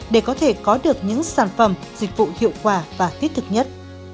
để có thể có được những sản phẩm dịch vụ hiệu quả và thiết thực nhất